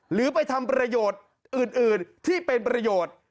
หรือไปทำประโยชน์อื่นที่เป็นประโยชน์